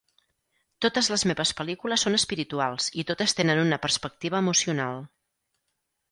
Totes les meves pel·lícules són espirituals i totes tenen una perspectiva emocional.